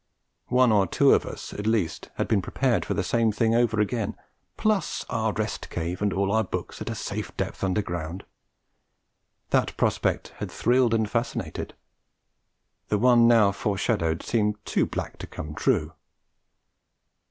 One or two of us, at least, had been prepared for the same thing over again, plus our Rest Cave and all our books at a safe depth underground. That prospect had thrilled and fascinated; the one now foreshadowed seemed too black to come true.